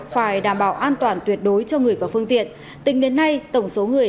phải đảm bảo an toàn tuyệt đối cho người và phương tiện tính đến nay tổng số người